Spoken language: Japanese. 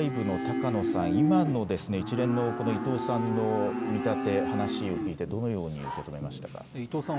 国際部の高野さん、今の一連の見立て、お話を聞いてどのように受け止めましたか。